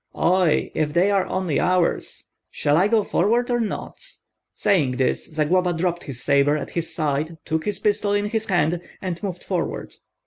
"Oi, if they are only ours! Shall I go forward, or not?" Saying this, Zagloba dropped his sabre at his side, took his pistol in his hand, and moved forward.